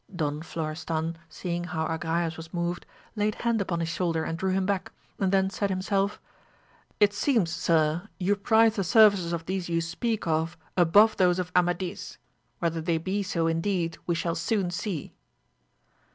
Don Florestan seeing how Agrayes was moved laid hand upon his shoulder and drew him back, and then said himself. It seems, sir, you prize the services of these you speak of above those of Amadis, whether they be so indeed, we shall soon see.